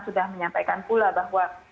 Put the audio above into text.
sudah menyampaikan pula bahwa